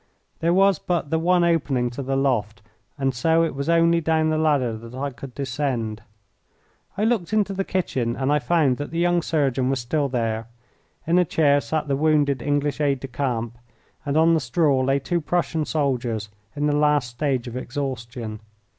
There was but the one opening to the loft, and so it was only down the ladder that I could descend. I looked into the kitchen and I found that the young surgeon was still there. In a chair sat the wounded English aide de camp, and on the straw lay two Prussian soldiers in the last stage of exhaustion.